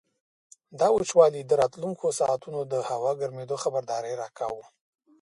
دا وچوالی د راتلونکو ساعتونو د هوا ګرمېدو خبرداری راکاوه.